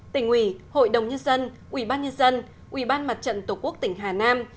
tỉnh ủy hội đồng nhân dân ủy ban nhân dân ủy ban mặt trận tổ quốc tỉnh hà nam